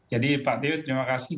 jadi pak teo terima kasih